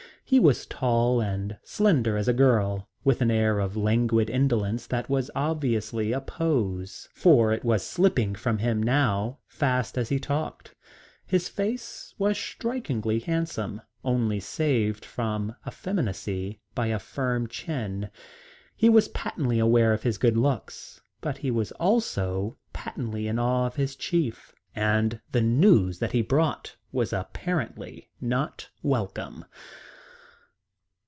He was tall and slender as a girl, with an air of languid indolence that was obviously a pose, for it was slipping from him now fast as he talked. His face was strikingly handsome, only saved from effeminacy by a firm chin. He was patently aware of his good looks. But he was also patently in awe of his chief, and the news that he brought was apparently not welcome.